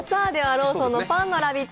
ローソンのパンの「ラヴィット！」